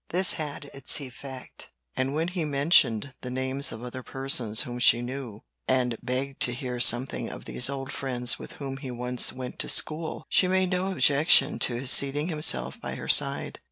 This had its effect; and when he mentioned the names of other persons whom she knew, and begged to hear something of these old friends with whom he once went to school, she made no objection to his seating himself by her side.